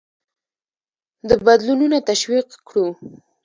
د بدلونونه تشویق کړو.